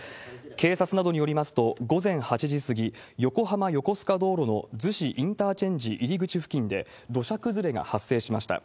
警察などによりますと、午前８時過ぎ、横浜横須賀道路の逗子インターチェンジ入り口付近で土砂崩れが発生しました。